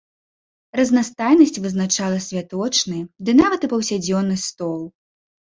Разнастайнасць вызначала святочны, ды нават і паўсядзённы стол.